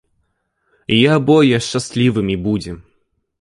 І абое шчаслівымі будзем.